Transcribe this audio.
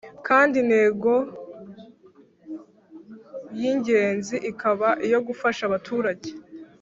kandi intego y'ingenzi ikaba iyo gufasha abaturage